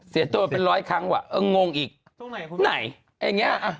เสียตัวมาเป็นร้อยครั้งว่ะเอองงอีก